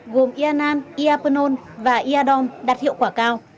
gồm ia nan ia penon và ia don đạt hiệu quả cao